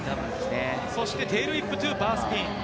そして、テールウィップトゥバースピン。